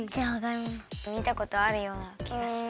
みたことあるようなきがした。